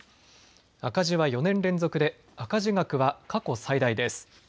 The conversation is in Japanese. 赤字は４年連続で赤字額は過去最大です。